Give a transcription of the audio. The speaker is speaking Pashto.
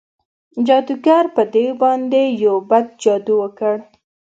جادوګر په دیو باندې یو بد جادو وکړ.